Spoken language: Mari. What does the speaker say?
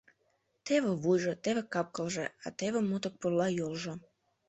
Теве вуйжо, теве кап-кылже, а теве мутык пурла йолжо...